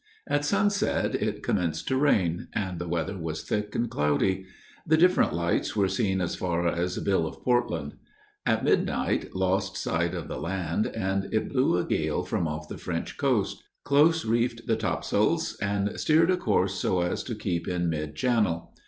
At sunset, it commenced to rain, and the weather was thick and cloudy. The different lights were seen as far as the Bill of Portland. At midnight, lost sight of the land, and it blew a gale from off the French coast: close reefed the topsails, and steered a course so as to keep in mid channel.